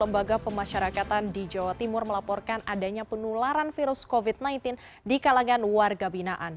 lembaga pemasyarakatan di jawa timur melaporkan adanya penularan virus covid sembilan belas di kalangan warga binaan